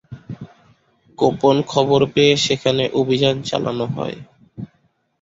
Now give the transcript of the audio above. গোপন খবর পেয়ে সেখানে অভিযান চালানো হয়।